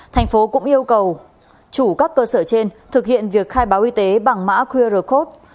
thành phố cũng yêu cầu chủ các cơ sở trên thực hiện việc khai báo y tế bằng mã qr code